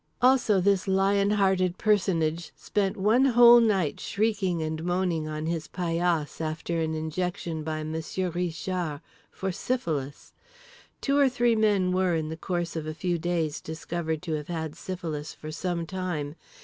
Also this lion hearted personage spent one whole night shrieking and moaning on his paillasse after an injection by Monsieur Richard—for syphilis. Two or three men were, in the course of a few days, discovered to have had syphilis for some time.